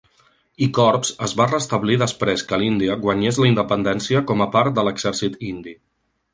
I Corps es va restablir després que l'Índia guanyés la independència com a part de l'exèrcit indi.